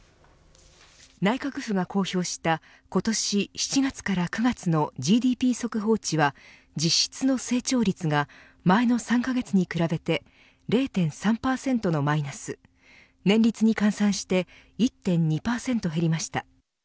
内閣府が公表した今年７月から９月のＧＤＰ速報値は実質の成長率が前の３カ月に比べて０．３％のマイナス年率に換算して１．２％減りました。